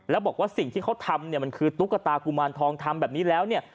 แล้วบอกว่าสิ่งที่เขาทำเนี่ยมันคือตุ๊กตากุมารทองทำแบบนี้แล้วเนี่ย